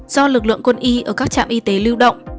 do lực lượng quân y ở các trạm y tế lưu động